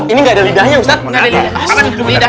ini gak ada lidahnya ustadz